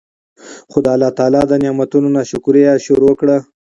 خو د الله تعالی د نعمتونو نا شکري ئي شروع کړه